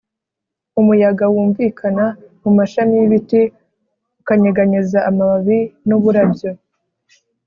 Umuyaga wumvikana mu mashami y’ibiti, ukanyeganyeza amababi n’uburabyo;